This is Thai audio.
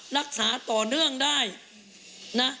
รักษาต่อเนื่องได้นะ